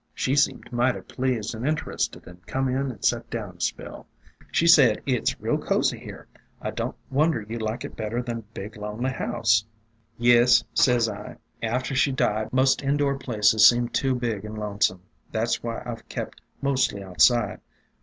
"She seemed mighty pleased and interested and come in and set down a spell. She said, 'It '& real cozy here. I don't wonder you like it better than a big, lonely house.' 'Yes,' sez I, ' after she died most indoor places seemed too big and lonesome. That 's why I 've kept mostly outside.